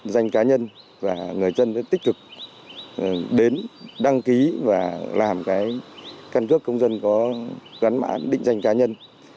danh cá nhân và người dân tích cực đến đăng ký và làm cái căn cước công dân có gắn mã định danh cá nhân